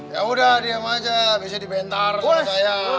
ya udah diam aja bisa dibentar sama saya